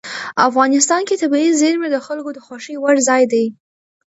افغانستان کې طبیعي زیرمې د خلکو د خوښې وړ ځای دی.